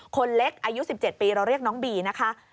คนเล็กอายุ๑๗ปีเราเรียกน้องบีนะคะ